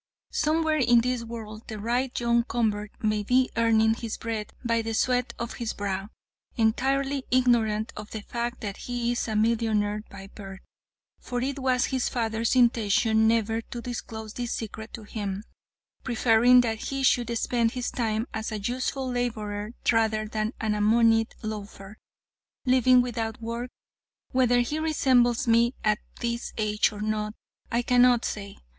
"'Somewhere in this world the right John Convert may be earning his bread by the sweat of his brow, entirely ignorant of the fact that he is a millionaire by birth, for it was his father's intention never to disclose this secret to him, preferring that he should spend his time as a useful laborer, rather than a moneyed loafer, living without work. Whether he resembles me at this age or not, I cannot say.